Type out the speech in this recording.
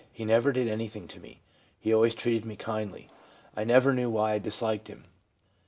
He never did anything to me. He always treated me kindly. I never knew why I disliked him.'